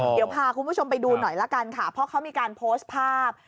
เดี๋ยวพาคุณผู้ชมไปดูหน่อยละกันค่ะเพราะเขามีการโพสต์ภาพ